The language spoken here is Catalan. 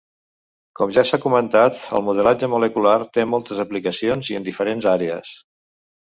Com ja s'ha comentat, el modelatge molecular té moltes aplicacions, i en diferents àrees.